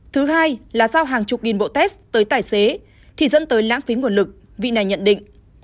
thứ hai là giao hàng chục nghìn bộ test tới tài xế thì dẫn tới lãng phí nguồn lực vị này nhận định